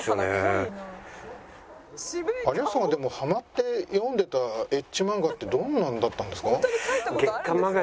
有吉さんがハマって読んでたエッチ漫画ってどんなのだったんですか？